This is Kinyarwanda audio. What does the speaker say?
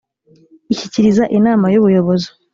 ishyikiriza Inama y Ubuyobozi